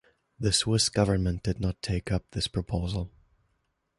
The Swiss government did not take up this proposal.